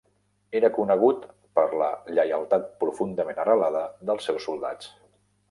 Era conegut per la lleialtat "profundament arrelada" dels seus soldats.